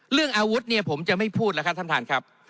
เรื่องอาวุธเนี่ยผมจะไม่พูดแล้วครับท่านท่านครับ